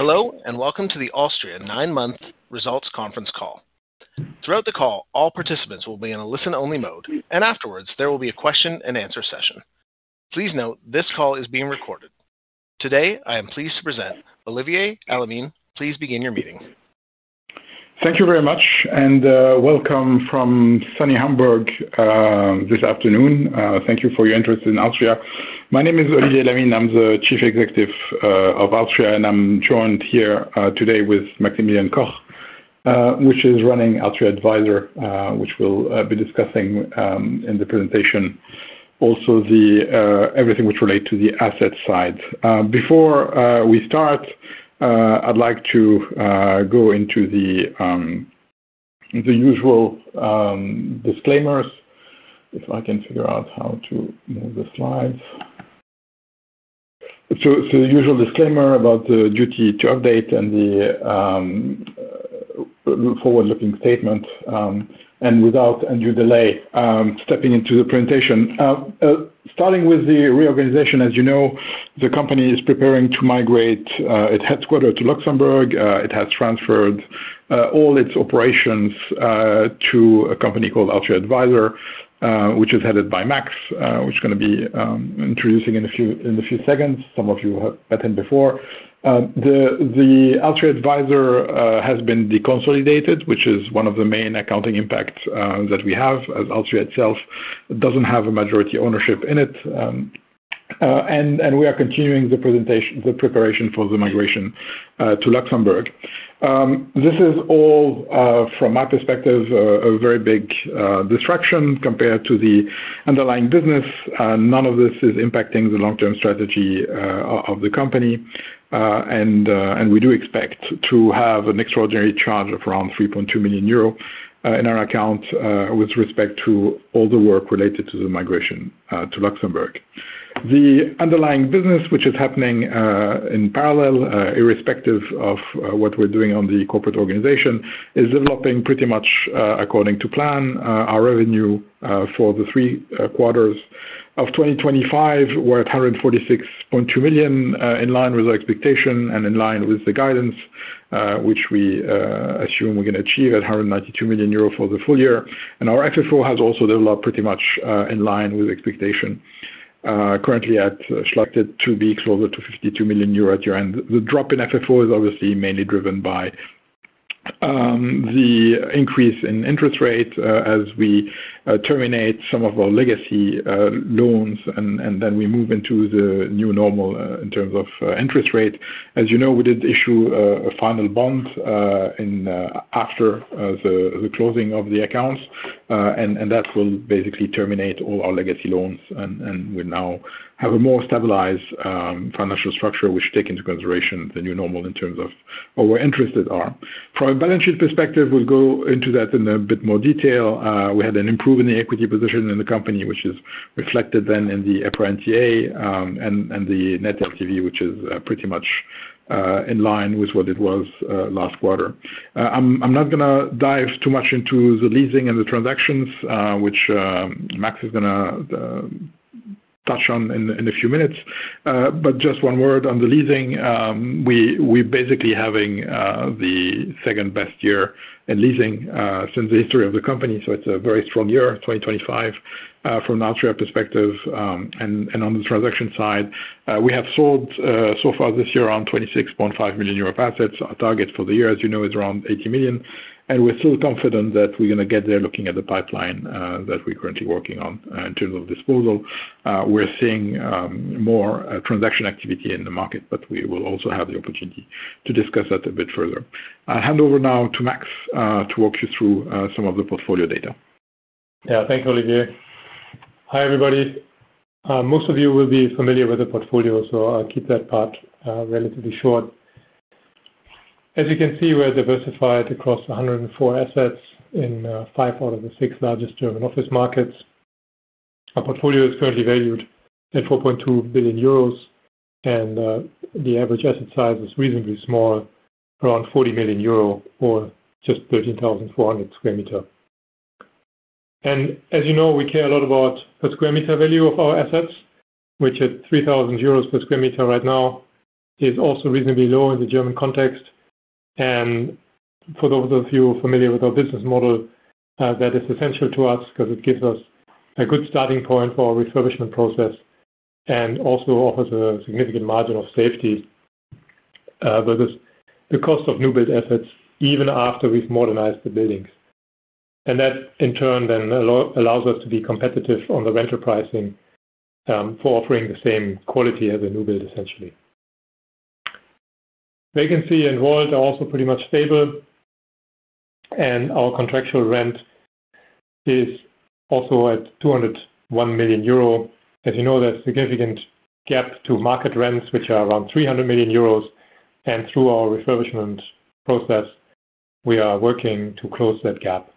Hello and welcome to the alstria nine-month results conference call. Throughout the call, all participants will be in a listen-only mode, and afterwards there will be a question-and-answer session. Please note this call is being recorded. Today, I am pleased to present Olivier Elamine. Please begin your meeting. Thank you very much, and welcome from sunny Hamburg this afternoon. Thank you for your interest in alstria. My name is Olivier Elamine. I'm the Chief Executive of alstria, and I'm joined here today with Maximilian Koch, who is running alstria advisor, which we will be discussing in the presentation. Also, everything which relates to the asset side. Before we start, I'd like to go into the usual disclaimers. If I can figure out how to move the slides. The usual disclaimer about the duty to update and the forward-looking statement. Without undue delay, stepping into the presentation, starting with the reorganization. As you know, the company is preparing to migrate its headquarters to Luxembourg. It has transferred all its operations to a company called alstria advisor, which is headed by Max, who is going to be introducing in a few seconds. Some of you have met him before. The alstria advisor has been deconsolidated, which is one of the main accounting impacts that we have, as alstria itself does not have a majority ownership in it. We are continuing the preparation for the migration to Luxembourg. This is all, from my perspective, a very big distraction compared to the underlying business. None of this is impacting the long-term strategy of the company. We do expect to have an extraordinary charge of around 3.2 million euro in our account with respect to all the work related to the migration to Luxembourg. The underlying business, which is happening in parallel, irrespective of what we are doing on the corporate organization, is developing pretty much according to plan. Our revenue for the three quarters of 2025 were at 146.2 million, in line with our expectation and in line with the guidance, which we assume we're going to achieve at 192 million euro for the full year. Our FFO has also developed pretty much in line with expectation. Currently at. Expected to be closer to 52 million euro at year-end. The drop in FFO is obviously mainly driven by the increase in interest rate as we terminate some of our legacy loans and then we move into the new normal in terms of interest rate. As you know, we did issue a final bond after the closing of the accounts, and that will basically terminate all our legacy loans. We now have a more stabilized financial structure, which takes into consideration the new normal in terms of where interests are. From a balance sheet perspective, we'll go into that in a bit more detail. We had an improvement in the equity position in the company, which is reflected then in the EPRA NTA and the net LTV, which is pretty much in line with what it was last quarter. I'm not going to dive too much into the leasing and the transactions, which Max is going to touch on in a few minutes. Just one word on the leasing. We're basically having the second best year in leasing since the history of the company. It is a very strong year, 2025, from an alstria perspective. On the transaction side, we have sold so far this year around 26.5 million euro of assets. Our target for the year, as you know, is around 80 million. We're still confident that we're going to get there, looking at the pipeline that we're currently working on in terms of disposal. We're seeing more transaction activity in the market, but we will also have the opportunity to discuss that a bit further. I'll hand over now to Max to walk you through some of the portfolio data. Yeah, thank you, Olivier. Hi, everybody. Most of you will be familiar with the portfolio, so I'll keep that part relatively short. As you can see, we're diversified across 104 assets in five out of the six largest German office markets. Our portfolio is currently valued at 4.2 billion euros, and the average asset size is reasonably small, around 40 million euro or just 13,400 m². You know, we care a lot about the square meter value of our assets, which at 3,000 euros per m² right now is also reasonably low in the German context. For those of you familiar with our business model, that is essential to us because it gives us a good starting point for our refurbishment process. It also offers a significant margin of safety versus the cost of new-build assets, even after we've modernized the buildings. That, in turn, then allows us to be competitive on the rental pricing for offering the same quality as a new build, essentially. Vacancy and value are also pretty much stable. Our contractual rent is also at 201 million euro. As you know, that is a significant gap to market rents, which are around 300 million euros. Through our refurbishment process, we are working to close that gap.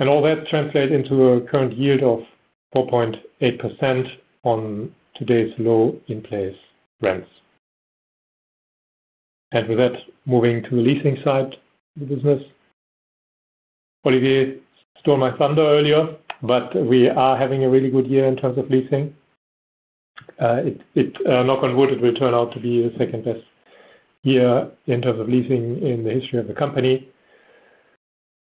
All that translates into a current yield of 4.8% on today's low in-place rents. With that, moving to the leasing side of the business, Olivier stole my thunder earlier, but we are having a really good year in terms of leasing. Knock on wood, it will turn out to be the second best year in terms of leasing in the history of the company.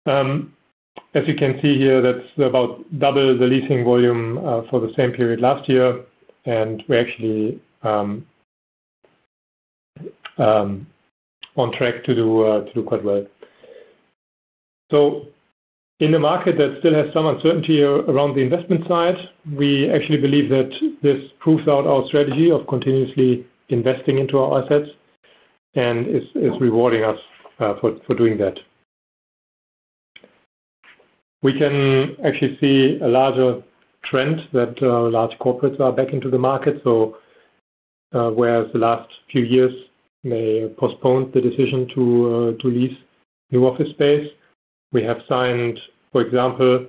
As you can see here, that is about double the leasing volume for the same period last year. We are actually on track to do quite well. In a market that still has some uncertainty around the investment side, we actually believe that this proves out our strategy of continuously investing into our assets and is rewarding us for doing that. We can actually see a larger trend that large corporates are back into the market. Whereas the last few years, they postponed the decision to lease new office space, we have signed, for example,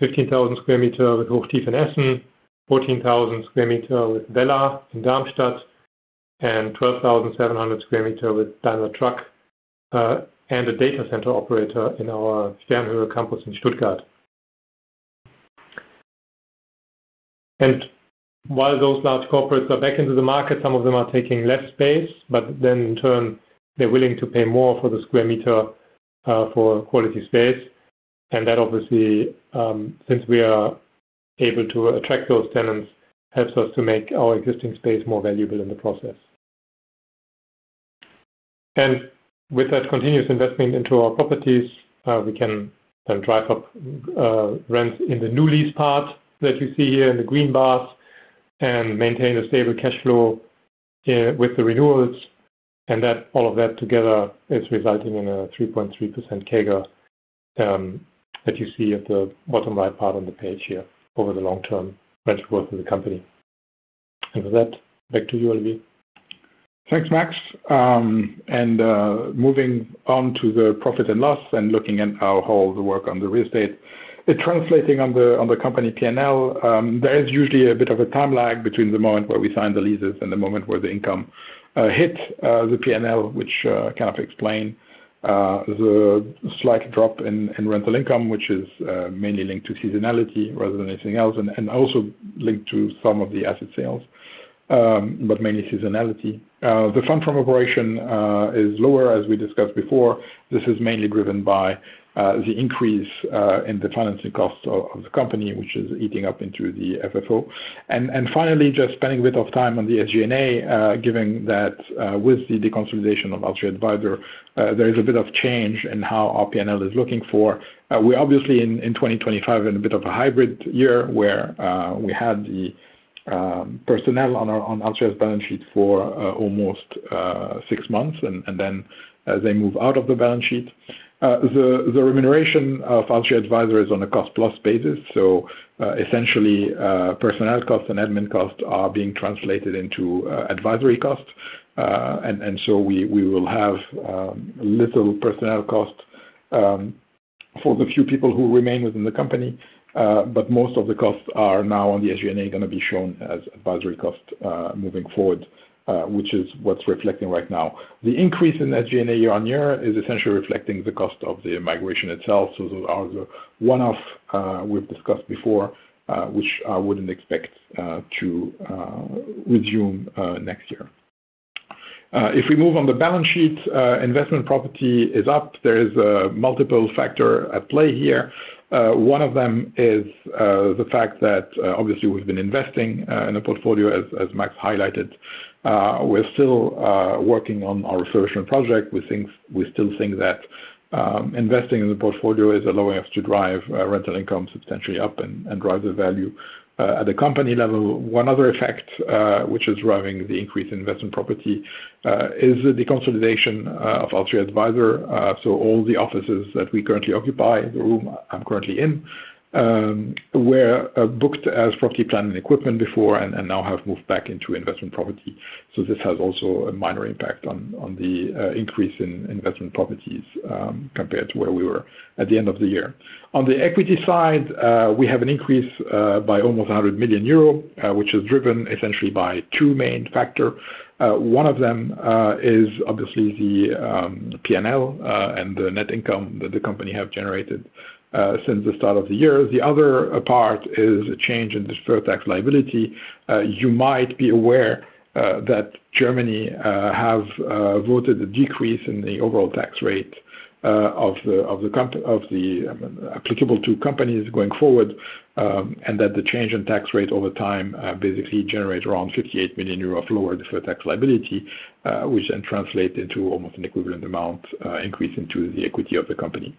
15,000 m² with Hochtief in Essen, 14,000 m² with Wella in Darmstadt, and 12,700 m² with Daimler Truck, and a data center operator in our Sternhöhe campus in Stuttgart. While those large corporates are back into the market, some of them are taking less space, but then in turn, they are willing to pay more for the square meter for quality space. That, obviously. Since we are able to attract those tenants, helps us to make our existing space more valuable in the process. With that continuous investment into our properties, we can then drive up rents in the new lease part that you see here in the green bars and maintain a stable cash flow with the renewals. All of that together is resulting in a 3.3% CAGR that you see at the bottom right part on the page here over the long-term rental growth of the company. With that, back to you, Olivier. Thanks, Max. Moving on to the profit and loss and looking at how the work on the real estate, it's translating on the company P&L. There is usually a bit of a time lag between the moment where we signed the leases and the moment where the income hit the P&L, which kind of explains. The slight drop in rental income, which is mainly linked to seasonality rather than anything else, and also linked to some of the asset sales. Mainly seasonality. The fund from operation is lower, as we discussed before. This is mainly driven by the increase in the financing costs of the company, which is eating up into the FFO. Finally, just spending a bit of time on the SG&A, given that with the deconsolidation of alstria advisors, there is a bit of change in how our P&L is looking for. We're obviously, in 2025, in a bit of a hybrid year where we had the personnel on Atrion's balance sheet for almost six months, and then they move out of the balance sheet. The remuneration of alstria advisors is on a cost-plus basis. Essentially, personnel costs and admin costs are being translated into advisory costs. We will have little personnel costs for the few people who remain within the company. Most of the costs are now on the SG&A, going to be shown as advisory costs moving forward, which is what is reflecting right now. The increase in SG&A year-on-year is essentially reflecting the cost of the migration itself. Those are the one-offs we have discussed before, which I would not expect to resume next year. If we move on the balance sheet, investment property is up. There is a multiple factor at play here. One of them is the fact that, obviously, we have been investing in a portfolio, as Max highlighted. We are still working on our refurbishment project. We still think that investing in the portfolio is allowing us to drive rental income substantially up and drive the value at the company level. One other effect, which is driving the increase in investment property, is the consolidation of alstria advisors. All the offices that we currently occupy, in the room I'm currently in, were booked as property, plant, and equipment before and now have moved back into investment property. This has also a minor impact on the increase in investment properties compared to where we were at the end of the year. On the equity side, we have an increase by almost 100 million euro, which is driven essentially by two main factors. One of them is obviously the P&L and the net income that the company has generated since the start of the year. The other part is a change in the fair tax liability. You might be aware that Germany has voted a decrease in the overall tax rate applicable to companies going forward. The change in tax rate over time basically generates around 58 million euro lower the fair tax liability, which then translates into almost an equivalent amount increase into the equity of the company.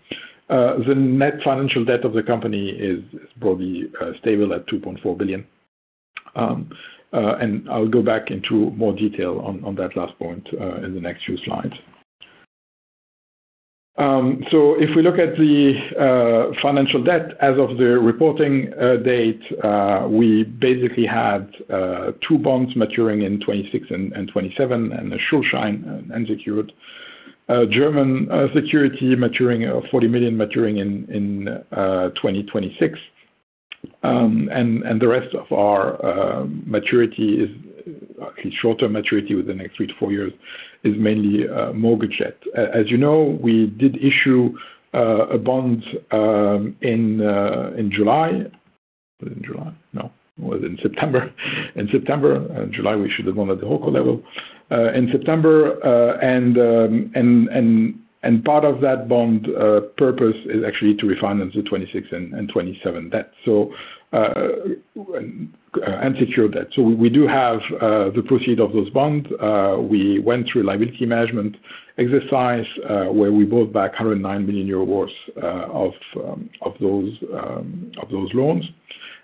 The net financial debt of the company is broadly stable at 2.4 billion. I'll go back into more detail on that last point in the next few slides. If we look at the financial debt as of the reporting date, we basically had two bonds maturing in 2026 and 2027 and a Schuldschein, an unsecured German security, of 40 million maturing in 2026. The rest of our maturity is short-term maturity within the next three to four years, mainly mortgage debt. As you know, we did issue a bond in July. Was it in July? No, it was in September. In September. In July, we issued the bond at the local level. In September. Part of that bond purpose is actually to refinance the 2026 and 2027 debt. Unsecured debt. We do have the proceeds of those bonds. We went through liability management exercise where we bought back 109 million euros worth of those loans,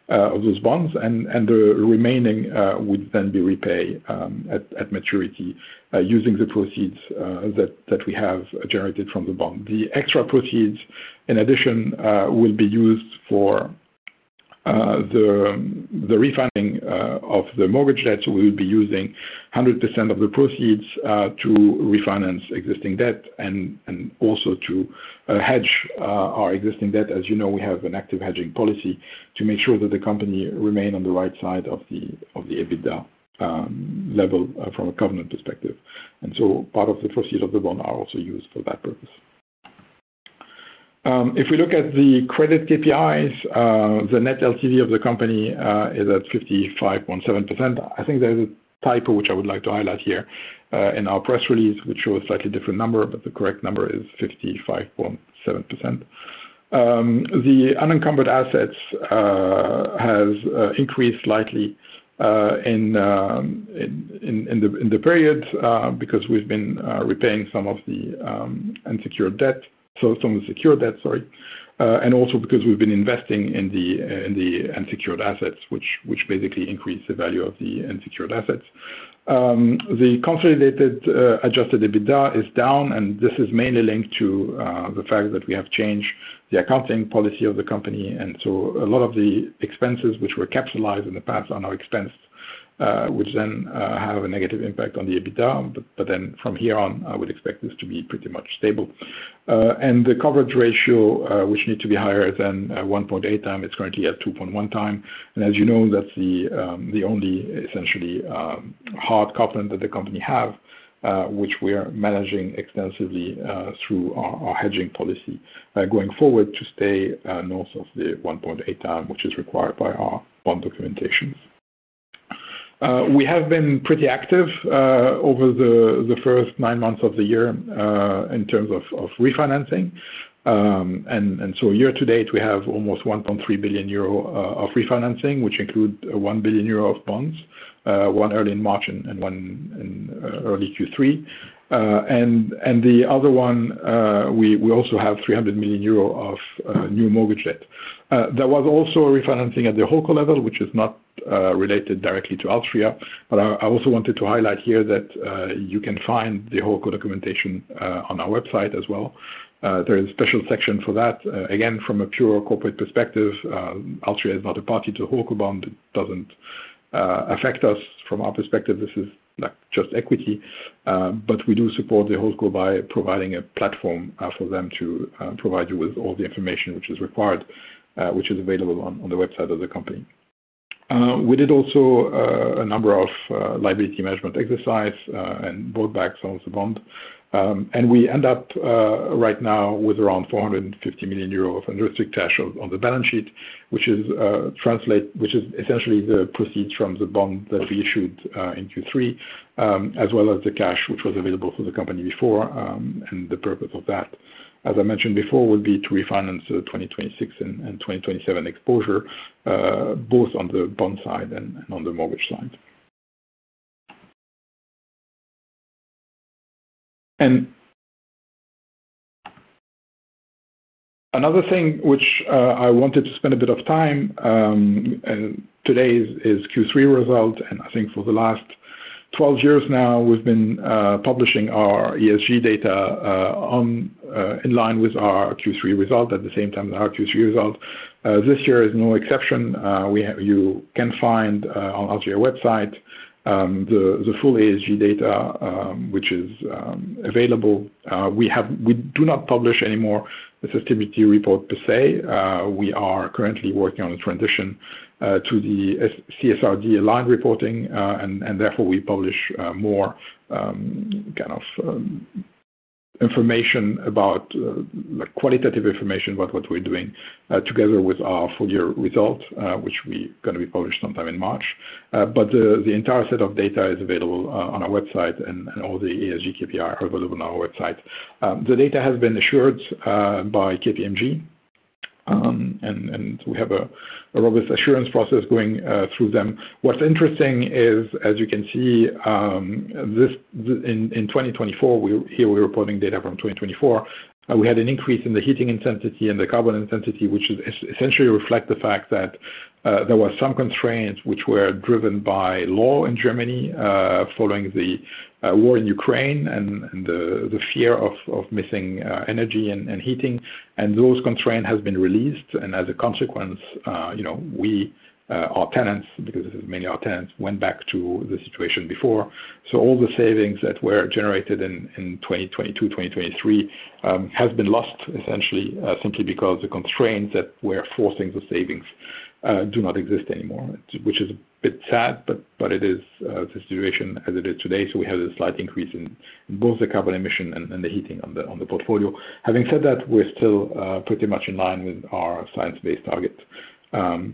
of those bonds. The remaining would then be repaid at maturity using the proceeds that we have generated from the bond. The extra proceeds, in addition, will be used for the refinancing of the mortgage debt. We will be using 100% of the proceeds to refinance existing debt and also to hedge our existing debt. As you know, we have an active hedging policy to make sure that the company remains on the right side of the EBITDA level from a covenant perspective. Part of the proceeds of the bond are also used for that purpose. If we look at the credit KPIs, the net LTV of the company is at 55.7%. I think there is a typo, which I would like to highlight here in our press release, which shows a slightly different number, but the correct number is 55.7%. The unencumbered assets have increased slightly in the period because we have been repaying some of the secured debt, and also because we have been investing in the unencumbered assets, which basically increased the value of the unencumbered assets. The consolidated adjusted EBITDA is down, and this is mainly linked to the fact that we have changed the accounting policy of the company. A lot of the expenses, which were capitalized in the past, are now expense, which then have a negative impact on the EBITDA. From here on, I would expect this to be pretty much stable. The coverage ratio, which needs to be higher than 1.8x, is currently at 2.1x. As you know, that's the only essentially hard coupling that the company has, which we are managing extensively through our hedging policy going forward to stay north of the 1.8x, which is required by our bond documentations. We have been pretty active over the first nine months of the year in terms of refinancing. Year-to-date, we have almost 1.3 billion euro of refinancing, which includes 1 billion euro of bonds, one early in March and one in early Q3. We also have 300 million euro of new mortgage debt. There was also refinancing at the hold level, which is not related directly to alstria. I also wanted to highlight here that you can find the whole documentation on our website as well. There is a special section for that. Again, from a pure corporate perspective, alstria is not a party to the hold bond. It does not affect us. From our perspective, this is just equity. We do support the hold school by providing a platform for them to provide you with all the information which is required, which is available on the website of the company. We did also a number of liability management exercises and bought back some of the bond. We end up right now with around 450 million euros of interesting cash on the balance sheet, which. Is essentially the proceeds from the bond that we issued in Q3, as well as the cash which was available for the company before. The purpose of that, as I mentioned before, would be to refinance the 2026 and 2027 exposure, both on the bond side and on the mortgage side. Another thing which I wanted to spend a bit of time today is Q3 result. I think for the last 12 years now, we've been publishing our ESG data in line with our Q3 result at the same time as our Q3 result. This year is no exception. You can find on alstria website the full ESG data, which is available. We do not publish anymore a sustainability report per se. We are currently working on a transition to the CSRD aligned reporting. Therefore, we publish more kind of information about. Qualitative information about what we're doing together with our full year result, which we are going to be published sometime in March. The entire set of data is available on our website, and all the ESG KPIs are available on our website. The data has been assured by KPMG. We have a robust assurance process going through them. What's interesting is, as you can see, in 2024, here we're reporting data from 2024. We had an increase in the heating intensity and the carbon intensity, which essentially reflects the fact that there were some constraints which were driven by law in Germany following the war in Ukraine and the fear of missing energy and heating. Those constraints have been released. As a consequence, our tenants, because this is mainly our tenants, went back to the situation before. All the savings that were generated in 2022, 2023, have been lost essentially simply because the constraints that were forcing the savings do not exist anymore, which is a bit sad, but it is the situation as it is today. We have a slight increase in both the carbon emission and the heating on the portfolio. Having said that, we're still pretty much in line with our science-based target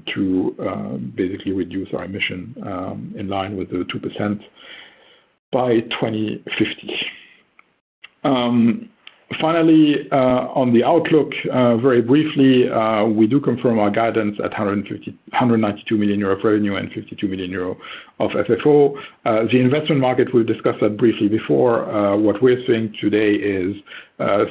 to basically reduce our emission in line with the 2% by 2050. Finally, on the outlook, very briefly, we do confirm our guidance at 192 million euro of revenue and 52 million euro of FFO. The investment market, we've discussed that briefly before. What we're seeing today is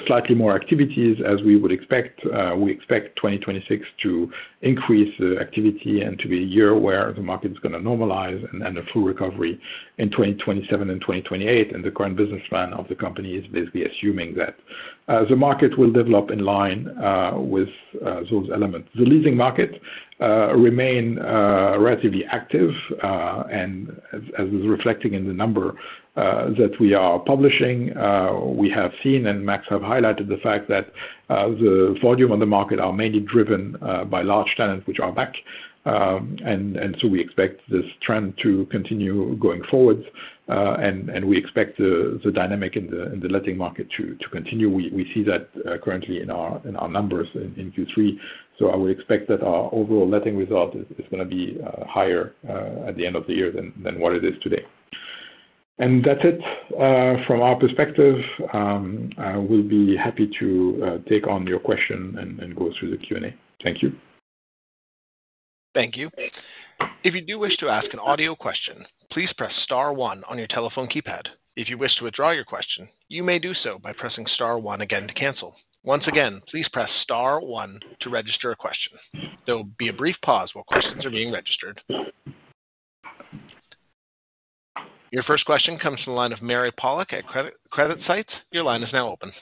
slightly more activities as we would expect. We expect 2026 to increase activity and to be a year where the market is going to normalize, and then a full recovery in 2027 and 2028. The current business plan of the company is basically assuming that the market will develop in line with those elements. The leasing market remains relatively active, and as is reflecting in the number that we are publishing, we have seen, and Max has highlighted the fact that the volume on the market is mainly driven by large tenants which are back. We expect this trend to continue going forward, and we expect the dynamic in the letting market to continue. We see that currently in our numbers in Q3. I would expect that our overall letting result is going to be higher at the end of the year than what it is today. That is it from our perspective. We'll be happy to take on your question and go through the Q&A. Thank you. Thank you. If you do wish to ask an audio question, please press star one on your telephone keypad. If you wish to withdraw your question, you may do so by pressing star one again to cancel. Once again, please press star one to register a question. There will be a brief pause while questions are being registered. Your first question comes from the line of Mary Pollock at CreditSights. Your line is now open.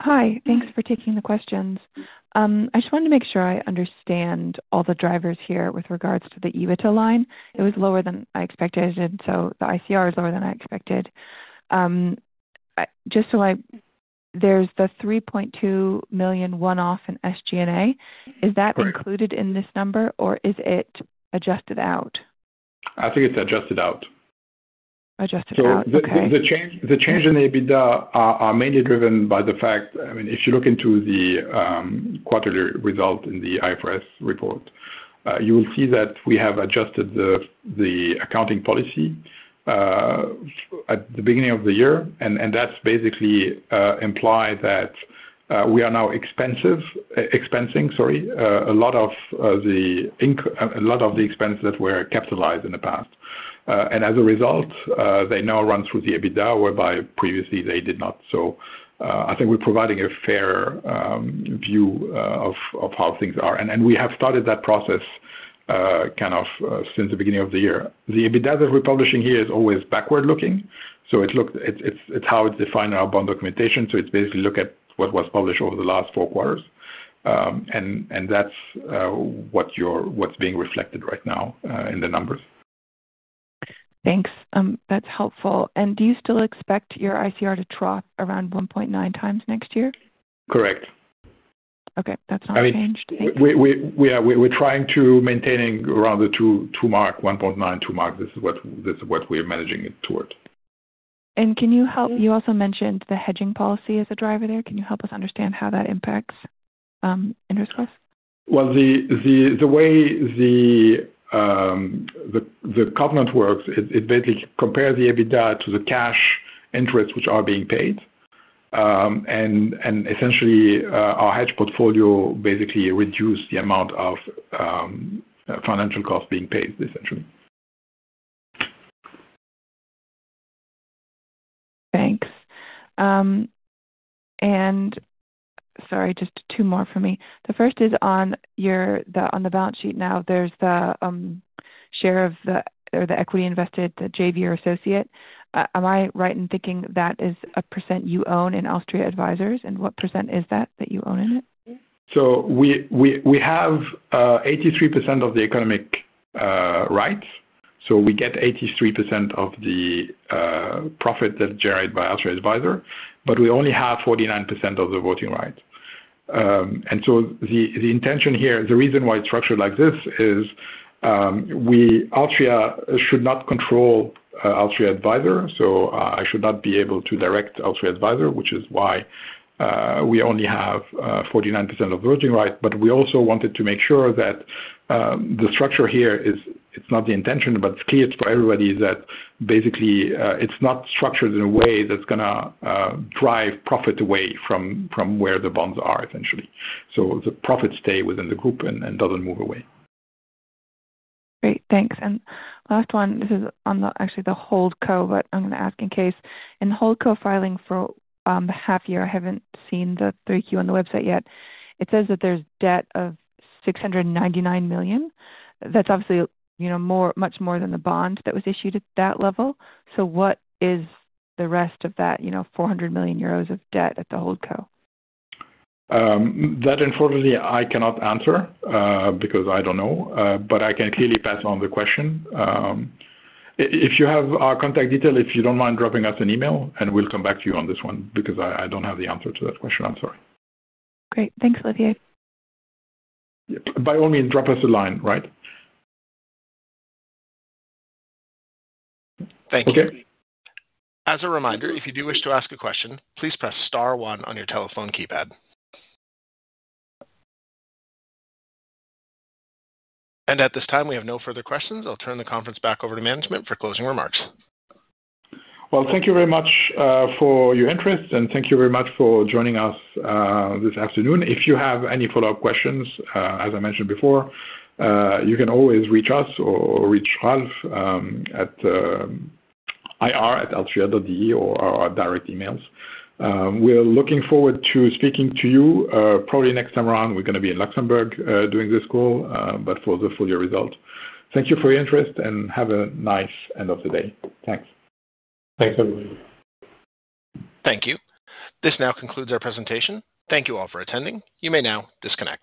Hi. Thanks for taking the questions. I just wanted to make sure I understand all the drivers here with regards to the EBITDA line. It was lower than I expected. The ICR is lower than I expected. Just so I, there's the 3.2 million one-off in SG&A. Is that included in this number, or is it adjusted out? I think it's adjusted out. Adjusted out. The change in the EBITDA are mainly driven by the fact, I mean, if you look into the quarterly result in the IFRS report, you will see that we have adjusted the accounting policy at the beginning of the year. That's basically implied that we are now expensing, sorry, a lot of the expense that were capitalized in the past. As a result, they now run through the EBITDA, whereby previously they did not. I think we're providing a fair view of how things are. We have started that process kind of since the beginning of the year. The EBITDA that we're publishing here is always backward-looking. It's how it's defined in our bond documentation. It's basically look at what was published over the last four quarters. That's what's being reflected right now in the numbers. Thanks. That's helpful. Do you still expect your ICR to drop around 1.9x next year? Correct. Okay. That's not changed. We're trying to maintain around the 2 mark, 1.9-2 mark. This is what we're managing it toward. Can you help? You also mentioned the hedging policy as a driver there. Can you help us understand how that impacts interest growth? The way the covenant works, it basically compares the EBITDA to the cash interest which are being paid. Essentially, our hedge portfolio basically reduced the amount of financial costs being paid, essentially. Thanks. Sorry, just two more for me. The first is on the balance sheet now. There's the share of the equity invested, the JV or associate. Am I right in thinking that is a percent you own in alstria advisors? What percent is that that you own in it? We have 83% of the economic rights. We get 83% of the profit that's generated by alstria advisors, but we only have 49% of the voting rights. The intention here, the reason why it's structured like this is alstria should not control alstria advisors. I should not be able to direct alstria advisors, which is why we only have 49% of voting rights. We also wanted to make sure that the structure here is, it's not the intention, but it's clear for everybody that basically it's not structured in a way that's going to drive profit away from where the bonds are, essentially. The profits stay within the group and do not move away. Great, thanks. Last one, this is actually the whole company, but I'm going to ask in case. In whole company filing for half year, I haven't seen the 3Q on the website yet. It says that there's debt of 699 million. That's obviously much more than the bond that was issued at that level. What is the rest of that 400 million euros of debt at the whole company? That unfortunately, I cannot answer because I don't know. I can clearly pass on the question. If you have our contact details, if you don't mind dropping us an email, we'll come back to you on this one because I don't have the answer to that question. I'm sorry. Great. Thanks, Olivier. By all means, drop us a line, right? Thank you. As a reminder, if you do wish to ask a question, please press star one on your telephone keypad. At this time, we have no further questions. Thank you very much for your interest, and thank you very much for joining us this afternoon. If you have any follow-up questions, as I mentioned before, you can always reach us or reach Ralf at ir@alstria.de or our direct emails. We're looking forward to speaking to you. Probably next time around, we're going to be in Luxembourg doing this call, but for the full year result. Thank you for your interest, and have a nice end of the day. Thanks. Thanks, everyone. Thank you. This now concludes our presentation. Thank you all for attending. You may now disconnect.